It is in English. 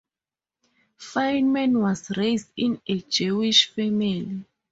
Fineman was raised in a Jewish family.